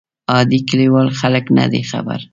عادي کلیوال خلک نه دي خبر.